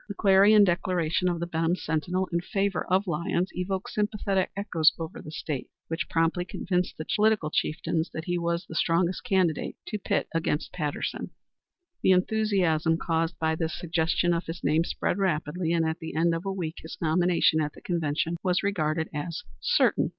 The clarion declaration of the Benham Sentinel in favor of Lyons evoked sympathetic echoes over the State, which promptly convinced the political chieftains that he was the strongest candidate to pit against Patterson. The enthusiasm caused by the suggestion of his name spread rapidly, and at the end of a week his nomination at the convention was regarded as certain.